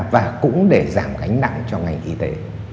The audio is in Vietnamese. và cũng để giảm gánh nặng cho ngành y tế